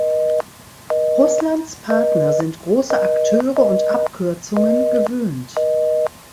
Russlands Partner sind große Akteure und Abkürzungen gewöhnt.